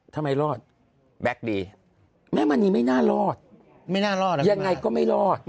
ทำไมรอดแบ็คดีแม่มณีไม่น่ารอดไม่น่ารอดยังไงก็ไม่รอด